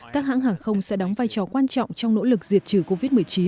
các hãng hàng không sẽ đóng vai trò quan trọng trong nỗ lực diệt trừ covid một mươi chín